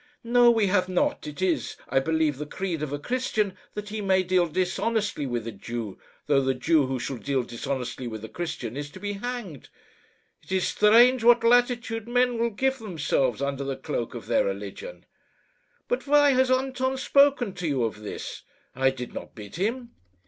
"No, we have not. It is, I believe, the creed of a Christian that he may deal dishonestly with a Jew, though the Jew who shall deal dishonestly with a Christian is to be hanged. It is strange what latitude men will give themselves under the cloak of their religion! But why has Anton spoken to you of this? I did not bid him."